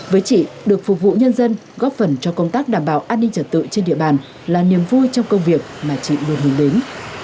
với chị được phục vụ nhân dân góp phần cho công tác đảm bảo an ninh trật tự trên địa bàn là niềm vui trong công việc mà chị luôn hướng đến